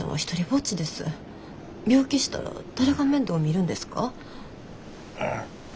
病気したら誰が面倒見るんですか？